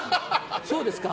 そうですか？